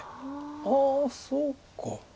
ああそうか。